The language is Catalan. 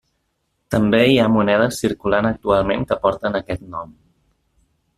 També hi ha monedes circulant actualment que porten aquest nom.